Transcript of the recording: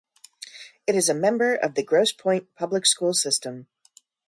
It is a member of the Grosse Pointe Public School System.